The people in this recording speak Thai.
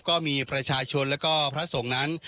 ก็มีประชาชนและก็พระสงฆ์นั้น